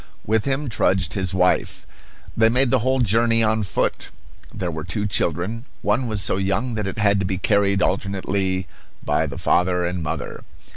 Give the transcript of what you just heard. With him trudged his wife. They made the whole journey on foot. There were two children. One was so young that it had to be carried alternately by the father and mother.